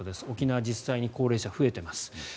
沖縄、実際に高齢者増えています。